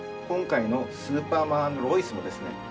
今回の「スーパーマン＆ロイス」もですね